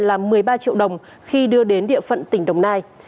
là một mươi ba triệu đồng khi đưa đến địa phận tỉnh đồng nai